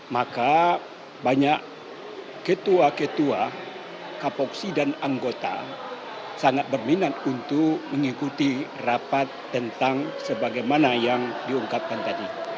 maka banyak ketua ketua kapoksi dan anggota sangat berminat untuk mengikuti rapat tentang sebagaimana yang diungkapkan tadi